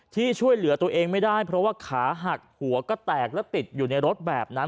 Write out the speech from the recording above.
ช่วยเหลือตัวเองไม่ได้เพราะว่าขาหักหัวก็แตกและติดอยู่ในรถแบบนั้น